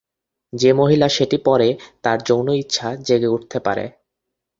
যে মহিলা সেটি পরে তার যৌন ইচ্ছা জেগে উঠতে থাকে।